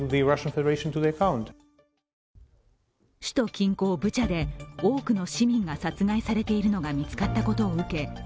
首都近郊ブチャで多くの市民が殺害されているのが見つかったことを受け